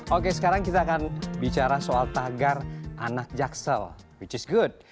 oke sekarang kita akan bicara soal tagar anak jaksel which is good